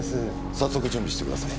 早速準備してください。